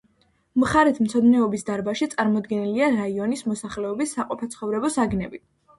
მხარეთმცოდნეობის დარბაზში წარმოდგენილია რაიონის მოსახლეობის საყოფაცხოვრებო საგნები.